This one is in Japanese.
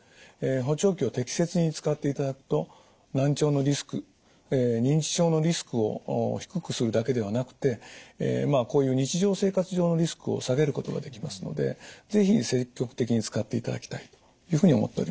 補聴器を適切に使っていただくと難聴のリスク認知症のリスクを低くするだけではなくてこういう日常生活上のリスクを下げることができますので是非積極的に使っていただきたいというふうに思っております。